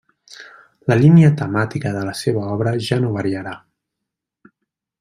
La línia temàtica de la seva obra ja no variarà.